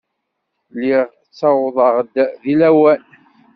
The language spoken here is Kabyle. Lliɣ ttawḍeɣ-d deg lawan.